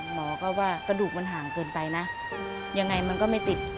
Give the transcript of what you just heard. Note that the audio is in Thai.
หมอก็ว่ากระดูกมันห่างเกินไปนะยังไงมันก็ไม่ติด